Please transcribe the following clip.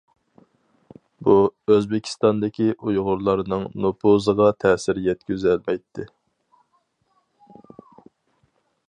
بۇ ئۆزبېكىستاندىكى ئۇيغۇرلارنىڭ نوپۇزىغا تەسىر يەتكۈزەلمەيتتى.